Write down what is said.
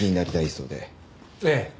ええ。